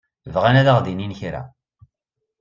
Bɣan ad aɣ-d-inin kra.